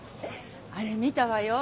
あれ見たわよ。